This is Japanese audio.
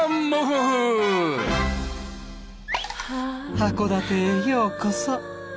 函館へようこそ。